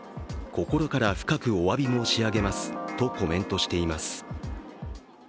心から深くおわび申し上げますとコメントしています。